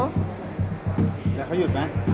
แล้วเขาหยุดไหม